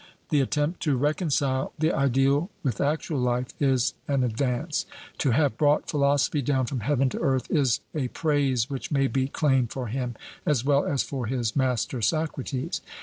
The attempt to reconcile the ideal with actual life is an advance; to 'have brought philosophy down from heaven to earth,' is a praise which may be claimed for him as well as for his master Socrates.